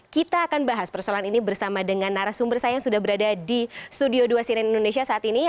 kita akan bahas persoalan ini bersama dengan narasumber saya yang sudah berada di studio dua cnn indonesia saat ini